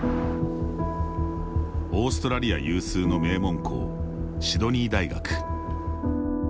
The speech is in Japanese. オーストラリア有数の名門校シドニー大学。